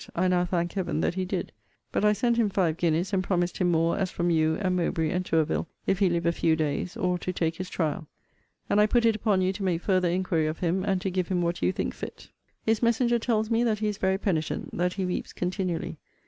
I now thank Heaven that he did. But I sent him five guineas, and promised him more, as from you, and Mowbray, and Tourville, if he live a few days, or to take his trial. And I put it upon you to make further inquiry of him, and to give him what you think fit. His messenger tells me that he is very penitent; that he weeps continually.